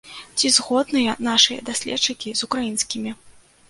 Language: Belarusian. Ці згодныя нашы даследчыкі з украінскімі?